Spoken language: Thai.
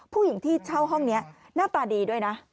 ผู้หญิงที่เช่าห้องนี้หน้าตาดีด้วยนะ